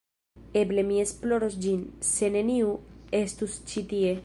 Eble mi esploros ĝin, se neniu estus ĉi tie.